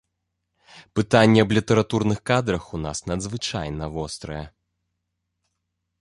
Пытанне аб літаратурных кадрах у нас надзвычайна вострае.